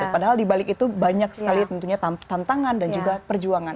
padahal dibalik itu banyak sekali tentunya tantangan dan juga perjuangan